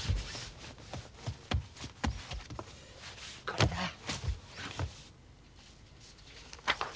これだ。え！？